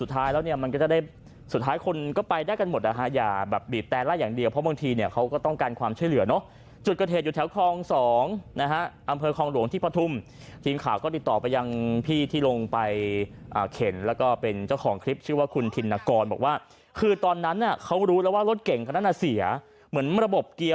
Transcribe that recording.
ท้ายแล้วเนี่ยมันก็จะได้สุดท้ายคนก็ไปได้กันหมดนะฮะอย่าแบบบีบแต่ไล่อย่างเดียวเพราะบางทีเนี่ยเขาก็ต้องการความช่วยเหลือเนอะจุดเกิดเหตุอยู่แถวคลองสองนะฮะอำเภอคลองหลวงที่ปฐุมทีมข่าวก็ติดต่อไปยังพี่ที่ลงไปเข็นแล้วก็เป็นเจ้าของคลิปชื่อว่าคุณธินกรบอกว่าคือตอนนั้นน่ะเขารู้แล้วว่ารถเก่งคนนั้นน่ะเสียเหมือนระบบเกียร์